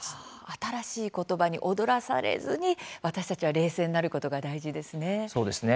新しい言葉に躍らされずに、私たちは冷静になることが大事ですね。